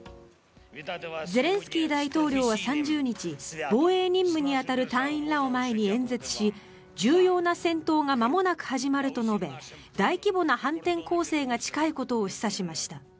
ゼレンスキー大統領は３０日防衛任務に当たる隊員らを前に演説し重要な戦闘がまもなく始まると述べ大規模な反転攻勢が近いことを示唆しました。